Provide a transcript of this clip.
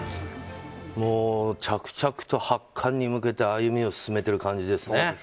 もう、着々と八冠に向けて歩みを進めている感じですね。